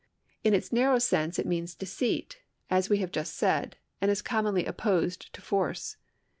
In its narrow sense it means deceit, as we have just said, and is commonly opposed to force.